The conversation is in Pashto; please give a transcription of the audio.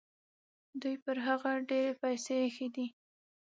دوی پر هغه ډېرې پیسې ایښي دي.